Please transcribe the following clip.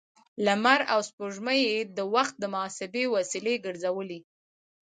لمر او سپوږمۍ يې د وخت د محاسبې وسیلې ګرځولې.